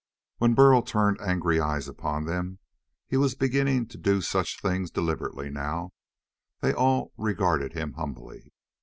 When Burl turned angry eyes upon them he was beginning to do such things deliberately, now they all regarded him humbly.